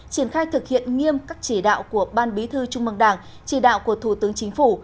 triển khai thực hiện nghiêm các chỉ đạo của ban bí thư trung mương đảng chỉ đạo của thủ tướng chính phủ